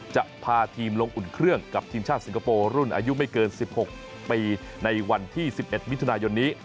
จะพาทีมลงอุ่นเครื่องกับทีมชาติสิงคโปร์รุ่นอายุไม่เกิน๑๖ปีในวันที่๑๑มิถุนายนนี้